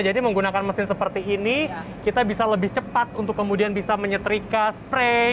jadi menggunakan mesin seperti ini kita bisa lebih cepat untuk kemudian bisa menyetrika spray